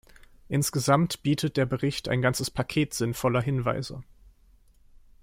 Insgesamt bietet der Bericht ein ganzes Paket sinnvoller Hinweise.